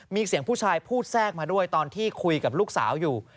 มีเสียงผู้ชายพูดแทรกมาด้วยตอนที่คุยกับลูกสาวอยู่